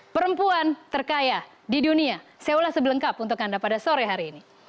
perempuan terkaya di dunia saya ulas sebelengkap untuk anda pada sore hari ini